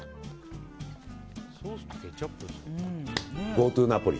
Ｇｏｔｏナポリ！